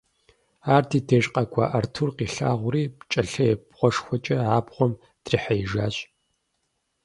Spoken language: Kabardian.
Ар ди деж къэкӀуа Артур къилъагъури пкӀэлъей бгъуэшхуэкӀэ абгъуэм дрихьеижащ.